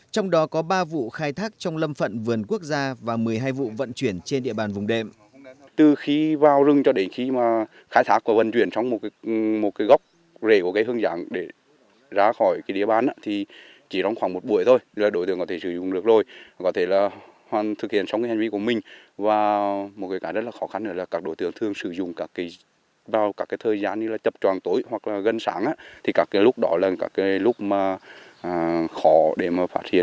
trong đó có ba vụ khai thác trong lâm phận vườn quốc gia và một mươi hai vụ vận chuyển trên địa bàn vùng đệm